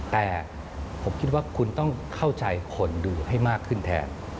แต่ผมคิดว่าคุณต้องเข้าใจคนดูให้มากขึ้นแทน